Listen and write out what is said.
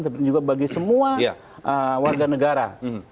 tapi juga bagi semua warga negara